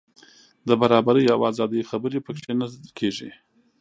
د برابرۍ او ازادۍ خبرې په کې نه کېږي.